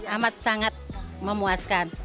amat sangat memuaskan